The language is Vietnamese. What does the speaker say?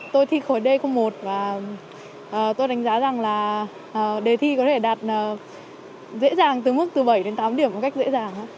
tôi thi khối d một và tôi đánh giá rằng là đề thi có thể đạt dễ dàng từ mức từ bảy đến tám điểm một cách dễ dàng